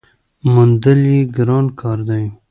موندل یې ګران کار دی .